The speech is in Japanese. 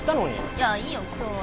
いやいいよ今日は。